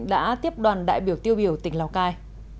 đã tiếp đoàn đại biểu tiêu biểu tỉnh lào cai